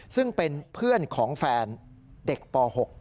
ซึ่งเป็นเพื่อนของแฟนเด็กป๖